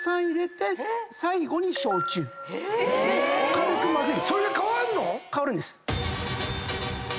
軽く混ぜる。